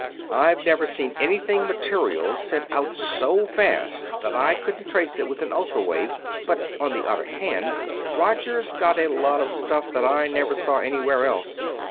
I've never seen anything material sent out so fast that I couldn't trace it with an ultra wave but on the other hand, Roger's got a lot of stuff that I never saw anywhere else.